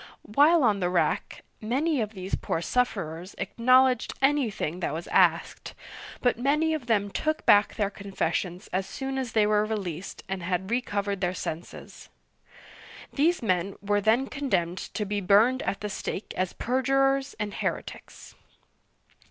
While on the rack, many of these poor sufferers acknowledged anything that was asked, but many of them took back their confessions as soon as they were released and had recovered their senses. These men were then condemned to be burned at the stake as perjurers and heretics.